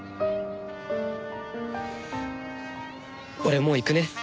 俺もう行くね。